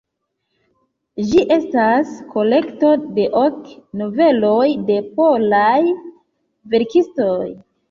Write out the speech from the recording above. Ĝi estas kolekto de ok noveloj de polaj verkistoj.